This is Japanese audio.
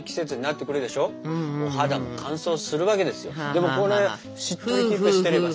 でもこれしっとりキープしてればさ。